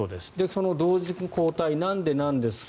その同時交代なんでなんですか。